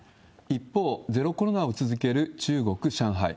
一方、ゼロコロナを続ける中国・上海。